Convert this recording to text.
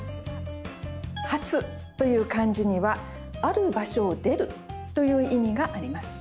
「発」という漢字には「ある場所を出る」という意味があります。